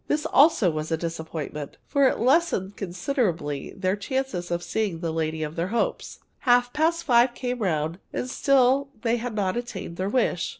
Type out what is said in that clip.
This also was a disappointment, for it lessened considerably their chances of seeing the lady of their hopes. Half past five came round, and still they had not attained their wish.